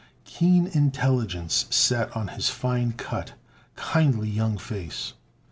Keen intelligence sat on his fine cut, kindly young face.